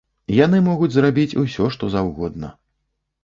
Яны могуць зрабіць усё што заўгодна.